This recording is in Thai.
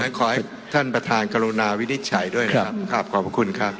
ขอให้ท่านประธานกรุณาวินิจฉัยด้วยนะครับครับขอบคุณครับ